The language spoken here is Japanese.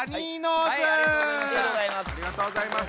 ありがとうございます。